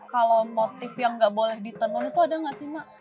kalau motif yang enggak boleh ditenun itu ada enggak sih emak